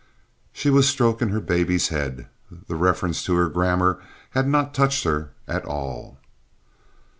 She was stroking her baby's head. The reference to her grammar had not touched her at all.